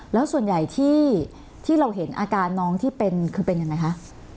แล้วส่วนใหญ่ที่เราเห็นอาการน้องที่เป็นคือเป็นยังไงคะ